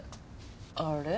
あれ？